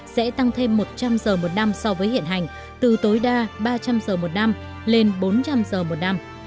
sẽ tăng thêm một trăm linh giờ một năm so với hiện hành từ tối đa ba trăm linh giờ một năm lên bốn trăm linh giờ một năm